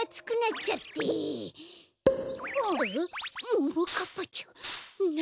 ももかっぱちゃんなんで。